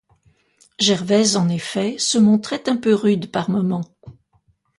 Gervaise, en effet, se montrait un peu rude par moments.